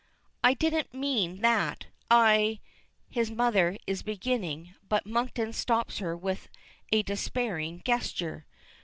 "I didn't mean that, I " his mother is beginning, but Monkton stops her with a despairing gesture.